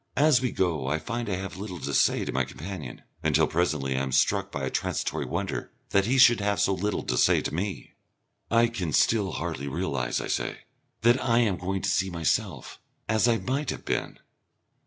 As we go I find I have little to say to my companion, until presently I am struck by a transitory wonder that he should have so little to say to me. "I can still hardly realise," I say, "that I am going to see myself as I might have been."